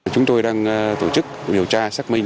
chúng tôi đang tổ chức điều tra xác minh